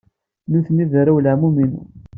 Nitni d arraw n leɛmum-inu.